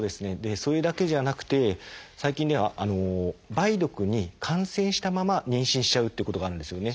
それだけじゃなくて最近では梅毒に感染したまま妊娠しちゃうっていうことがあるんですよね。